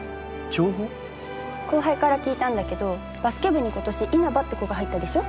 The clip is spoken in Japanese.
後輩から聞いたんだけどバスケ部に今年稲葉って子が入ったでしょ？